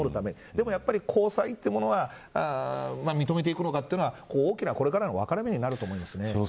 でも、やっぱり交際というものは認めていくのかというのは大きなこれからの分かれ目になると思います。